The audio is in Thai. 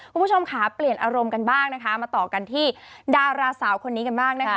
คุณผู้ชมค่ะเปลี่ยนอารมณ์กันบ้างนะคะมาต่อกันที่ดาราสาวคนนี้กันบ้างนะคะ